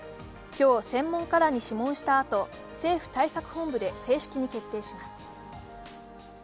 今日専門家らに諮問した後、政府対策本部で正式に決定します。